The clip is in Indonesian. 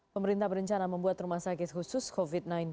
pemerintah berencana membuat rumah sakit khusus covid sembilan belas